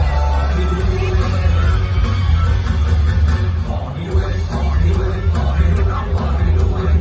ขอให้ด้วยขอให้ด้วยขอให้ด้วยขอให้ด้วยขอให้ด้วย